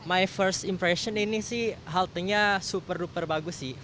my first impression ini sih haltenya super duper bagus sih